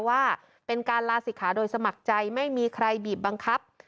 ว่าเป็นการลาศิกขาโดยสมัครใจไม่มีใครบีบบังคับ